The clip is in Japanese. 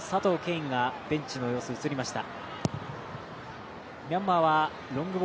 允がベンチの様子、映りました。